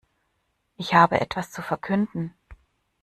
Ich habe etwas zu verkünden.